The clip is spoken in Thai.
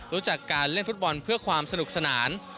รู้จักการเล่นฟุตบอลเพื่อความสนุกสนาน